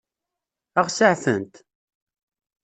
Ad ɣ-seɛfent?